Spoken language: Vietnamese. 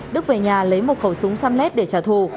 đức về nhà lấy một khẩu súng xăm lét để trả thù